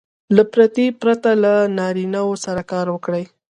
له پردې پرته له نارینه وو سره کار وکړي.